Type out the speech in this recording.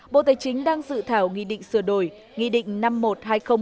bộ tài chính đang dự thảm dựng các khách hàng để tạo thuận hóa đơn